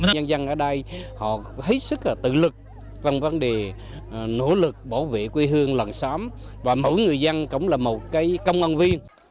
nhân dân ở đây họ thấy sức tự lực trong vấn đề nỗ lực bảo vệ quê hương làng xóm và mỗi người dân cũng là một công an viên